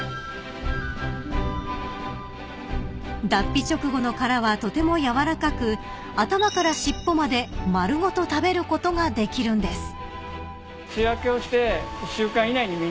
［脱皮直後の殻はとても軟らかく頭から尻尾まで丸ごと食べることができるんです］